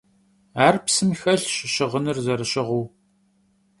Ar psım xelhaş, şığınır zerışığıu.